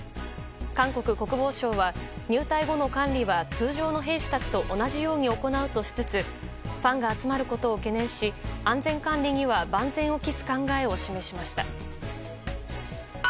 韓国国防省は入隊後の管理は通常の兵士たちと同じように行うとしつつファンが集まることを懸念し安全管理には万全を期す考えを示しました。